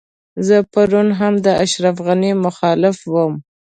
زه پرون هم د اشرف غني مخالف وم.